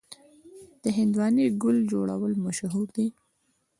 د هندواڼې ګل جوړول مشهور دي.